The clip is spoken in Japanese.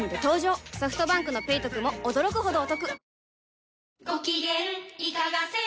ソフトバンクの「ペイトク」も驚くほどおトク